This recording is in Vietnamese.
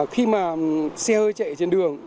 khi mà xe hơi chạy trên đường